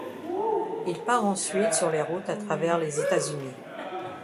Il part ensuite sur les routes à travers les États-Unis.